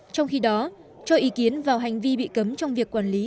trong khi đó cho ý kiến vào hành vi bị cấm trong việc quản lý